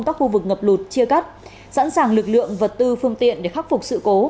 các khu vực ngập lụt chia cắt sẵn sàng lực lượng vật tư phương tiện để khắc phục sự cố